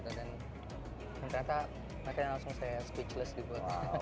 dan ternyata makanya langsung saya speechless gitu